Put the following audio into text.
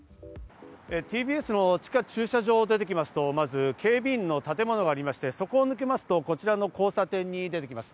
ＴＢＳの地下駐車場を出てきますと、まず警備員の建物があり、そこを抜けると、ここの交差点に出てきます。